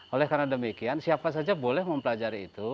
oleh karena demikian siapa saja boleh mempelajari itu